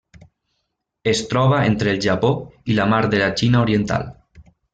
Es troba entre el Japó i la Mar de la Xina Oriental.